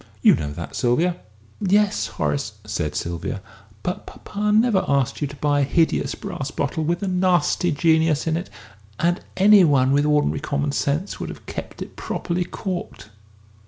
You know that, Sylvia." "Yes, Horace," said Sylvia; "but papa never asked you to buy a hideous brass bottle with a nasty Genius in it. And any one with ordinary common sense would have kept it properly corked!"